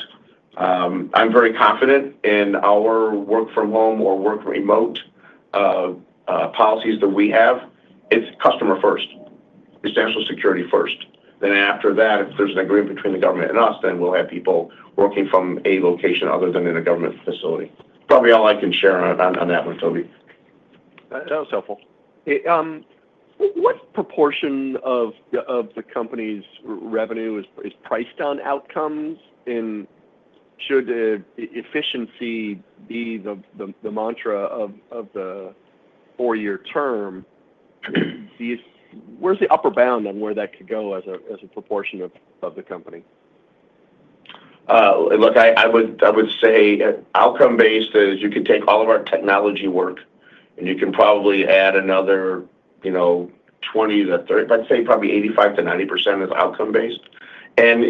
I'm very confident in our work-from-home or work-remote policies that we have. It's customer first, essential security first. Then after that, if there's an agreement between the government and us, then we'll have people working from a location other than in a government facility. Probably all I can share on that one, Tobey. That was helpful. What proportion of the company's revenue is priced on outcomes? And should efficiency be the mantra of the four-year term? Where's the upper bound on where that could go as a proportion of the company? Look, I would say outcome-based is you could take all of our technology work, and you can probably add another 20-30. I'd say probably 85%-90% is outcome-based. And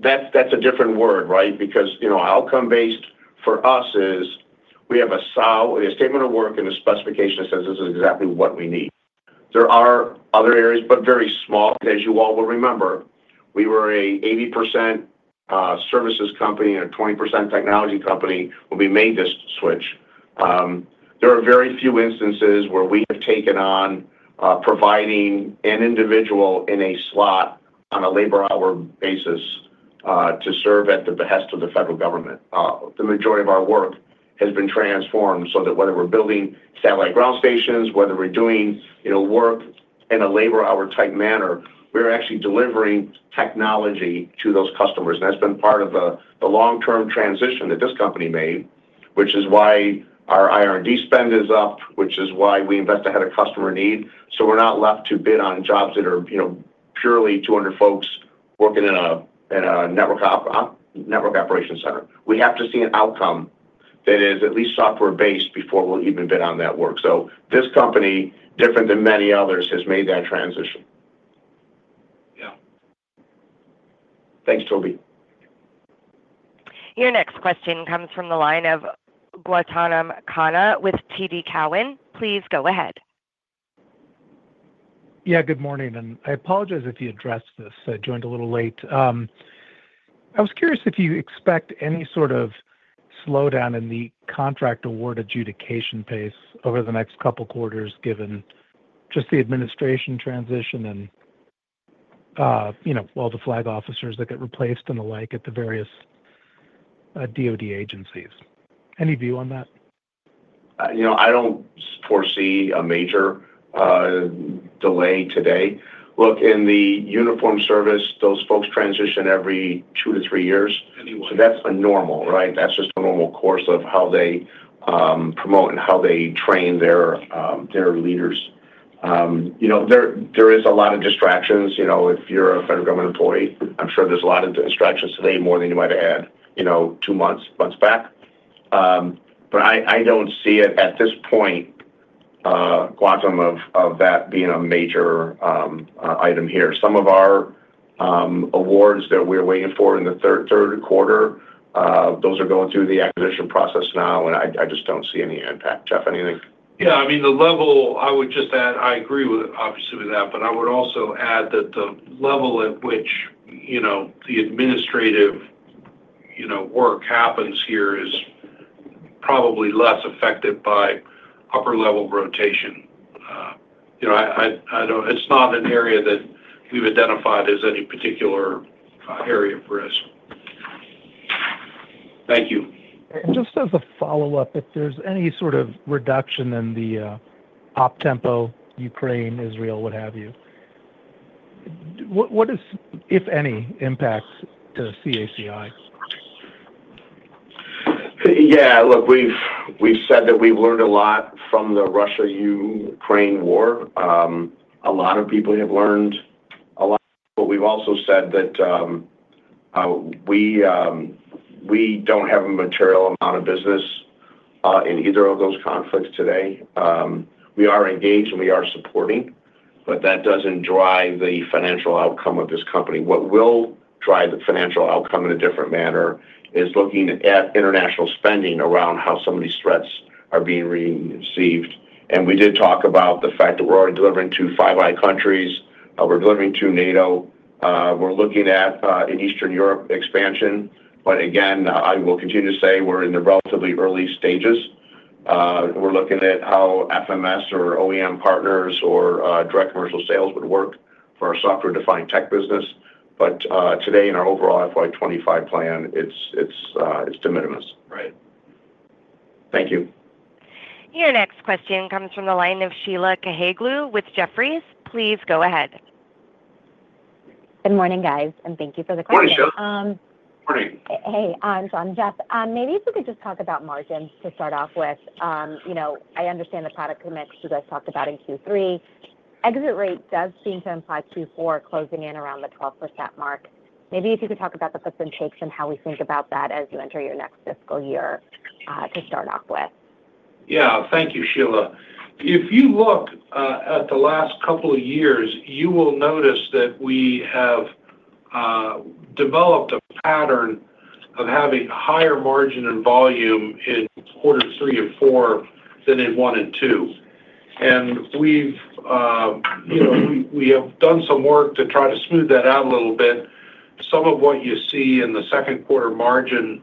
that's a different word, right? Because outcome-based for us is we have a statement of work and a specification that says this is exactly what we need. There are other areas, but very small, as you all will remember, we were an 80% services company and a 20% technology company when we made this switch. There are very few instances where we have taken on providing an individual in a slot on a labor-hour basis to serve at the behest of the federal government. The majority of our work has been transformed so that whether we're building satellite ground stations, whether we're doing work in a labor-hour type manner, we're actually delivering technology to those customers. And that's been part of the long-term transition that this company made, which is why our IRD spend is up, which is why we invest ahead of customer need. So we're not left to bid on jobs that are purely 200 folks working in a network operations center. We have to see an outcome that is at least software-based before we'll even bid on that work. So this company, different than many others, has made that transition. Yeah. Thanks, Tobey. Your next question comes from the line of Gautam Khanna with TD Cowen. Please go ahead. Yeah, good morning. And I apologize if you addressed this. I joined a little late. I was curious if you expect any sort of slowdown in the contract award adjudication pace over the next couple of quarters, given just the administration transition and all the flag officers that get replaced and the like at the various DoD agencies. Any view on that? I don't foresee a major delay today. Look, in the uniformed service, those folks transition every two to three years. So that's a normal, right? That's just a normal course of how they promote and how they train their leaders. There is a lot of distractions. If you're a federal government employee, I'm sure there's a lot of distractions today more than you might have had two months back. But I don't see it at this point, got no notion of that being a major item here. Some of our awards that we're waiting for in the third quarter, those are going through the acquisition process now, and I just don't see any impact. Jeff, anything? Yeah. I mean, the level I would just add, I agree obviously with that, but I would also add that the level at which the administrative work happens here is probably less affected by upper-level rotation. It's not an area that we've identified as any particular area of risk. Thank you. And just as a follow-up, if there's any sort of reduction in the OPTEMPO, Ukraine, Israel, what have you, what is, if any, impact to CACI? Yeah. Look, we've said that we've learned a lot from the Russia-Ukraine war. A lot of people have learned a lot. But we've also said that we don't have a material amount of business in either of those conflicts today. We are engaged, and we are supporting, but that doesn't drive the financial outcome of this company. What will drive the financial outcome in a different manner is looking at international spending around how some of these threats are being received. And we did talk about the fact that we're already delivering to Five Eyes countries. We're delivering to NATO. We're looking at an Eastern Europe expansion. But again, I will continue to say we're in the relatively early stages. We're looking at how FMS or OEM partners or direct commercial sales would work for our software-defined tech business. But today, in our overall FY25 plan, it's de minimis. Right. Thank you. Your next question comes from the line of Sheila Kahyaoglu with Jefferies. Please go ahead. Good morning, guys, and thank you for the question. Morning. Hey. So I'm Jeff. Maybe if you could just talk about margins to start off with. I understand the product commitments you guys talked about in Q3. Exit rate does seem to imply Q4 closing in around the 12% mark. Maybe if you could talk about the fits and starts and how we think about that as you enter your next fiscal year to start off with. Yeah. Thank you, Sheila. If you look at the last couple of years, you will notice that we have developed a pattern of having higher margin and volume in quarter three and four than in one and two. And we have done some work to try to smooth that out a little bit. Some of what you see in the second quarter margin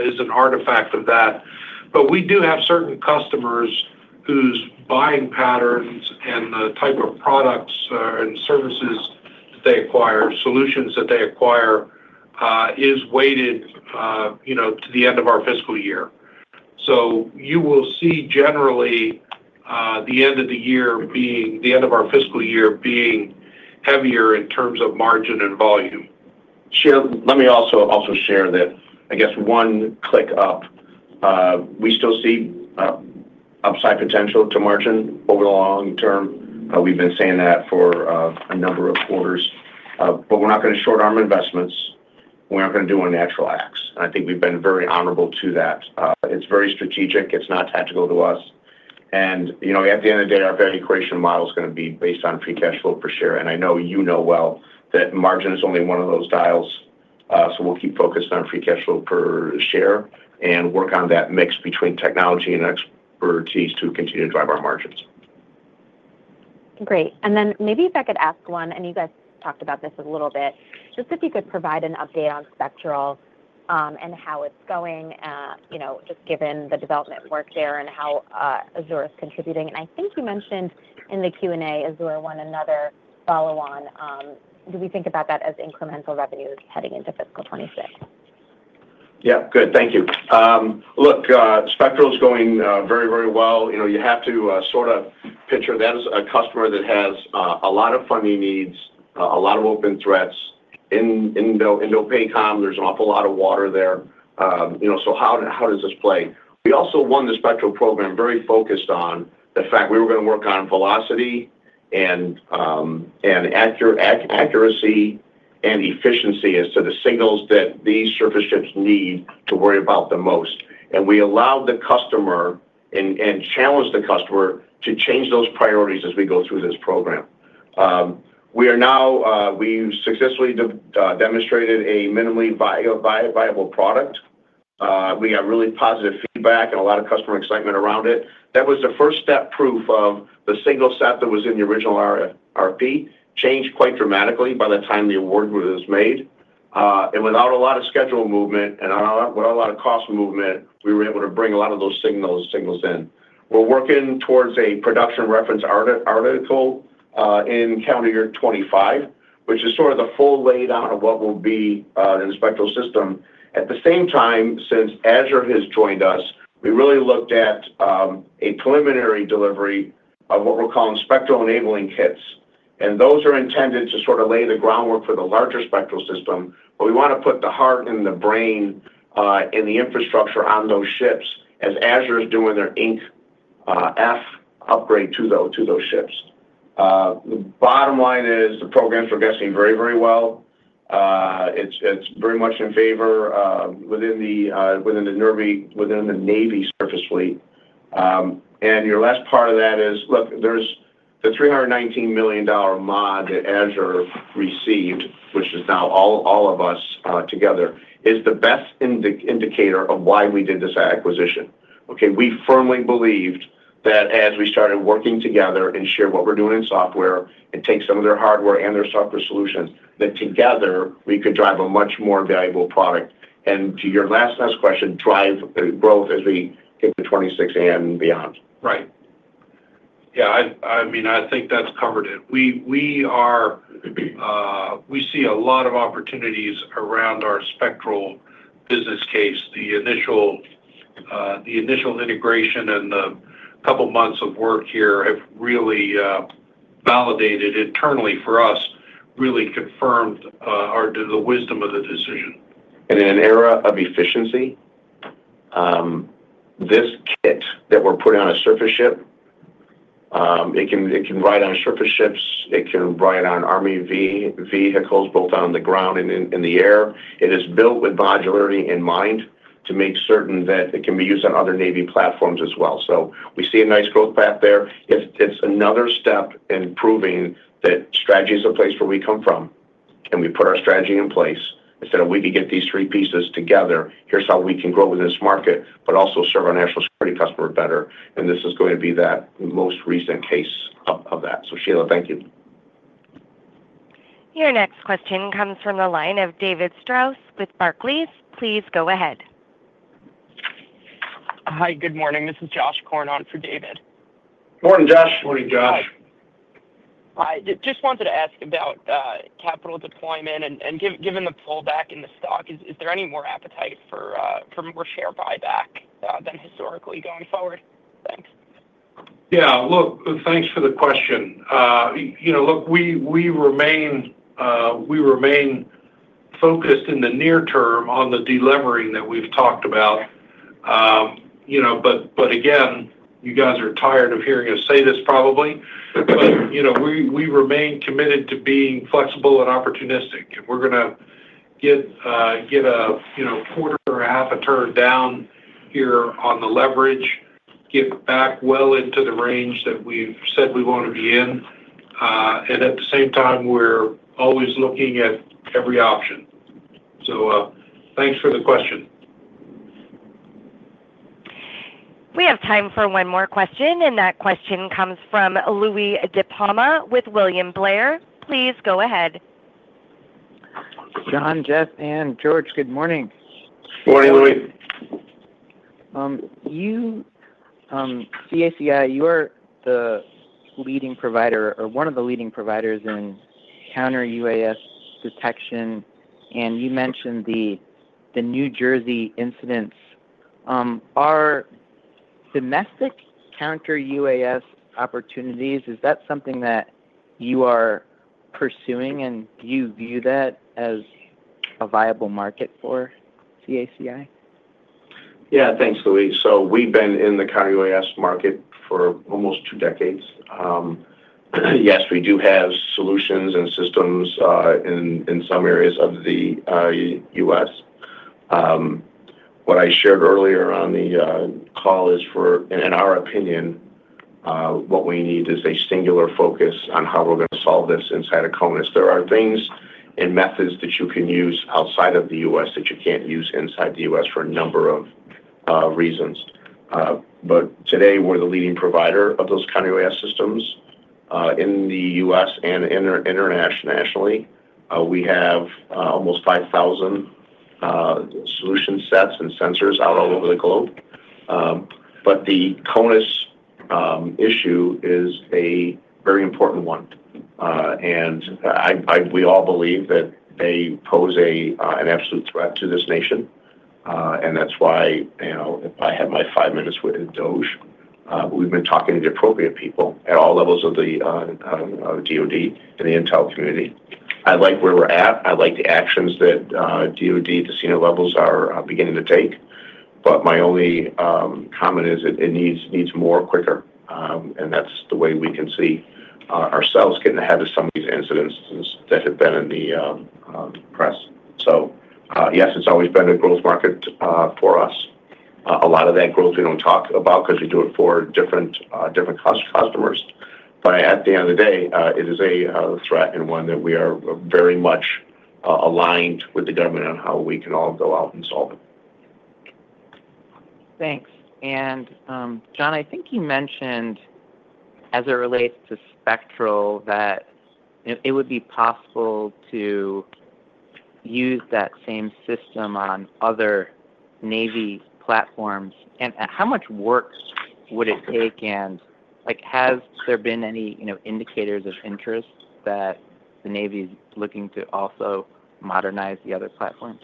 is an artifact of that. But we do have certain customers whose buying patterns and the type of products and services that they acquire, solutions that they acquire, is weighted to the end of our fiscal year. So you will see generally the end of the year, the end of our fiscal year being heavier in terms of margin and volume. Let me also share that, I guess, one click up, we still see upside potential to margin over the long term. We've been saying that for a number of quarters. But we're not going to short-arm investments. We're not going to do a natural ax. And I think we've been very honorable to that. It's very strategic. It's not tactical to us. And at the end of the day, our value creation model is going to be based on free cash flow per share. And I know you know well that margin is only one of those dials. So we'll keep focused on free cash flow per share and work on that mix between technology and expertise to continue to drive our margins. Great. And then maybe if I could ask one, and you guys talked about this a little bit, just if you could provide an update on Spectral and how it's going, just given the development work there and how Azure is contributing. And I think you mentioned in the Q&A, Azure won another follow-on. Do we think about that as incremental revenues heading into fiscal 2026? Yeah. Good. Thank you. Look, Spectral is going very, very well. You have to sort of picture that as a customer that has a lot of funding needs, a lot of open threats. In Indo-PACOM, there's an awful lot of water there. So, how does this play? We also won the Spectral program very focused on the fact we were going to work on velocity and accuracy and efficiency as to the signals that these surface ships need to worry about the most, and we allowed the customer and challenged the customer to change those priorities as we go through this program. We successfully demonstrated a minimally viable product. We got really positive feedback and a lot of customer excitement around it. That was the first step, proof of the single set that was in the original RFP changed quite dramatically by the time the award was made, and without a lot of schedule movement and without a lot of cost movement, we were able to bring a lot of those signals in. We're working towards a Production Reference Article in calendar year 2025, which is sort of the full lay down of what will be in the Spectral system. At the same time, since Azure has joined us, we really looked at a preliminary delivery of what we're calling Spectral Enabling Kits. And those are intended to sort of lay the groundwork for the larger Spectral system. But we want to put the heart and the brain and the infrastructure on those ships as Azure is doing their Increment F upgrade to those ships. The bottom line is the programs are gelling very, very well. It's very much in favor within the Navy surface fleet. And your last part of that is, look, the $319 million mod that Azure received, which is now all of us together, is the best indicator of why we did this acquisition. Okay? We firmly believed that as we started working together and share what we're doing in software and take some of their hardware and their software solutions, that together we could drive a much more valuable product, and to your last question, drive growth as we hit the 2026 and beyond. Right. Yeah. I mean, I think that's covered it. We see a lot of opportunities around our Spectral business case. The initial integration and the couple of months of work here have really validated internally for us, really confirmed the wisdom of the decision, and in an era of efficiency, this kit that we're putting on a surface ship, it can ride on surface ships. It can ride on army vehicles both on the ground and in the air. It is built with modularity in mind to make certain that it can be used on other Navy platforms as well. So we see a nice growth path there. It's another step in proving that strategy is a place where we come from. Can we put our strategy in place? Instead of we can get these three pieces together, here's how we can grow with this market, but also serve our national security customer better. And this is going to be that most recent case of that. So, Sheila, thank you. Your next question comes from the line of David Strauss with Barclays. Please go ahead. Hi, good morning. This is Josh Korn for David. Morning, Josh. Morning, Josh. Hi. Just wanted to ask about capital deployment and given the pullback in the stock, is there any more appetite for more share buyback than historically going forward? Thanks. Yeah. Look, thanks for the question. Look, we remain focused in the near term on the delivering that we've talked about. But again, you guys are tired of hearing us say this probably. But we remain committed to being flexible and opportunistic. And we're going to get a quarter or a half a turn down here on the leverage, get back well into the range that we've said we want to be in. And at the same time, we're always looking at every option. So thanks for the question. We have time for one more question. And that question comes from Louie DiPalma with William Blair. Please go ahead. John, Jeff, and George, good morning. Good morning, Louie. CACI, you are the leading provider or one of the leading providers in counter-UAS detection. And you mentioned the New Jersey incidents. Are domestic counter-UAS opportunities, is that something that you are pursuing and you view that as a viable market for CACI? Yeah. Thanks, Louie. So we've been in the counter-UAS market for almost two decades. Yes, we do have solutions and systems in some areas of the U.S. What I shared earlier on the call is for, in our opinion, what we need is a singular focus on how we're going to solve this inside of CONUS. There are things and methods that you can use outside of the U.S. that you can't use inside the U.S. for a number of reasons. But today, we're the leading provider of those counter-UAS systems in the U.S. and internationally. We have almost 5,000 solution sets and sensors out all over the globe. But the CONUS issue is a very important one. And we all believe that they pose an absolute threat to this nation. And that's why if I have my five minutes with DOGE, we've been talking to the appropriate people at all levels of the DoD and the intel community. I like where we're at. I like the actions that DoD, the senior levels are beginning to take. But my only comment is it needs more quicker. And that's the way we can see ourselves getting ahead of some of these incidents that have been in the press. So yes, it's always been a growth market for us. A lot of that growth we don't talk about because we do it for different customers. But at the end of the day, it is a threat and one that we are very much aligned with the government on how we can all go out and solve it. Thanks. John, I think you mentioned as it relates to Spectral that it would be possible to use that same system on other Navy platforms. And how much work would it take? And has there been any indicators of interest that the Navy is looking to also modernize the other platforms?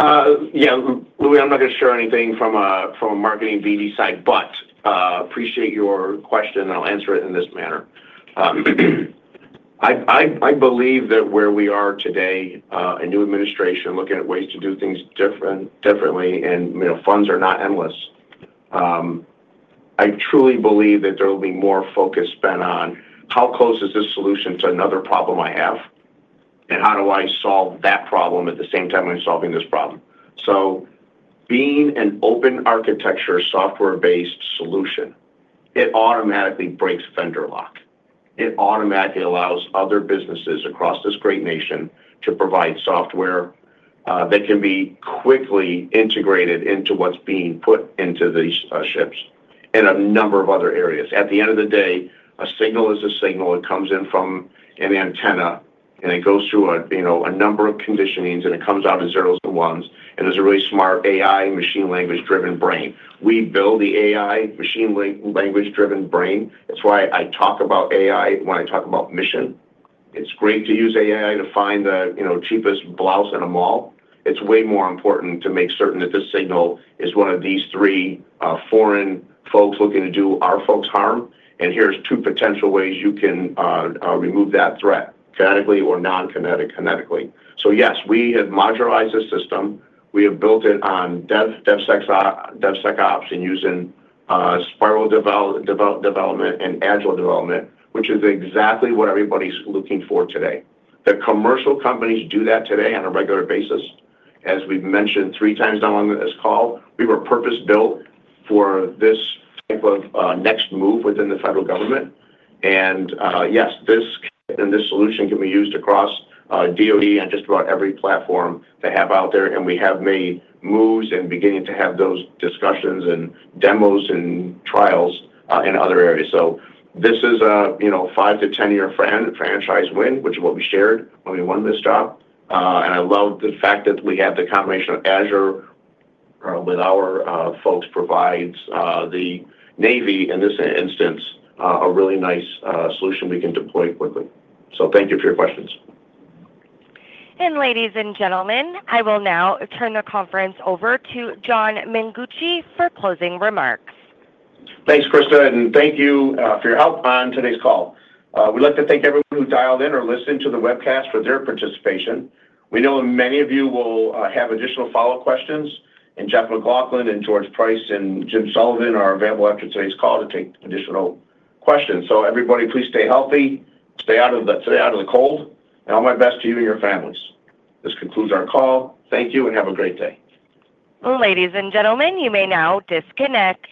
Yeah. Louis, I'm not going to share anything from a marketing standpoint side, but I appreciate your question. I'll answer it in this manner. I believe that where we are today, a new administration looking at ways to do things differently and funds are not endless. I truly believe that there will be more focus spent on how close is this solution to another problem I have and how do I solve that problem at the same time I'm solving this problem. So being an open architecture software-based solution, it automatically breaks vendor lock. It automatically allows other businesses across this great nation to provide software that can be quickly integrated into what's being put into these ships and a number of other areas. At the end of the day, a signal is a signal. It comes in from an antenna and it goes through a number of conditionings and it comes out of zeros and ones and is a really smart AI machine language-driven brain. We build the AI machine language-driven brain. That's why I talk about AI when I talk about mission. It's great to use AI to find the cheapest blouse in a mall. It's way more important to make certain that this signal is one of these three foreign folks looking to do our folks harm, and here's two potential ways you can remove that threat: kinetically or non-kinetically, so yes, we have modularized the system. We have built it on DevSecOps and using spiral development and agile development, which is exactly what everybody's looking for today. The commercial companies do that today on a regular basis. As we've mentioned three times now on this call, we were purpose-built for this type of next move within the federal government. Yes, this solution can be used across DoD and just about every platform they have out there. We have made moves and beginning to have those discussions and demos and trials in other areas. This is a 5-10-year franchise win, which is what we shared when we won this job. I love the fact that we have the combination of Azure with our folks provides the Navy, in this instance, a really nice solution we can deploy quickly. Thank you for your questions. Ladies and gentlemen, I will now turn the conference over to John Mengucci for closing remarks. Thanks, Krista. Thank you for your help on today's call. We'd like to thank everyone who dialed in or listened to the webcast for their participation. We know many of you will have additional follow-up questions. Jeff McLaughlin and George Price and Jim Sullivan are available after today's call to take additional questions. Everybody, please stay healthy. Stay out of the cold. All my best to you and your families. This concludes our call. Thank you and have a great day. Ladies and gentlemen, you may now disconnect.